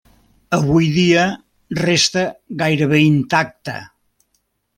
Avui dia resta gairebé intacta.